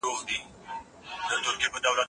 ابن بطوطه یو مشهور عرب سیلانی و.